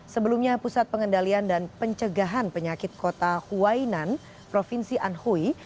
sebelumnya pusat pengendalian dan pencegahan penyakit kota huwainan provinsi anhui